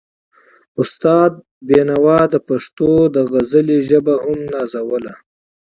استاد بينوا د پښتو د غزل ژبه هم نازوله.